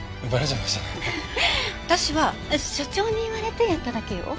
私は社長に言われてやっただけよ。